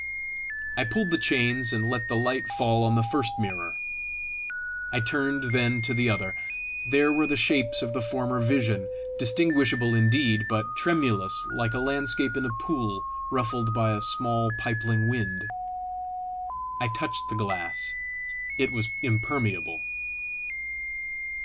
I pulled the chains, and let the light fall on the first mirror. I turned then to the other: there were the shapes of the former vision distinguishable indeed, but tremulous like a landscape in a pool ruffled by "a small pipling wind!" I touched the glass; it was impermeable.